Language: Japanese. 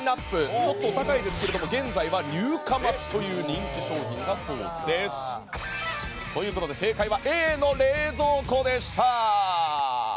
ちょっとお高いですけども現在、入荷待ちになるほど人気商品だそうです。ということで正解はＡの冷蔵庫でした。